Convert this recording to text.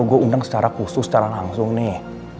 gue undang secara khusus secara langsung nih